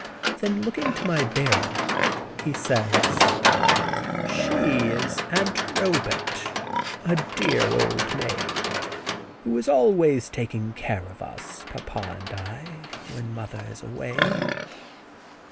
Then looking to my bearer he says: "She is Aunt Robet, a dear old maid, who is always taking care of us, papa and I, when mother is away."